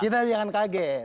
kita jangan kaget